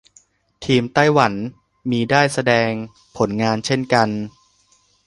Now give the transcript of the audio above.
ทีมไต้หวันมีได้แสดงผลงานเช่นกัน